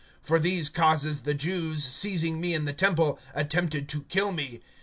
(21)For these causes the Jews, seizing me in the temple, attempted to kill me.